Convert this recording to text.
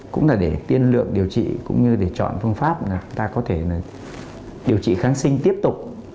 cũng là để tiên lượng điều trị cũng như để chọn phương pháp là chúng ta có thể điều trị kháng sinh tiếp tục